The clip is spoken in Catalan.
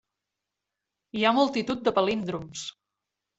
Hi ha multitud de palíndroms.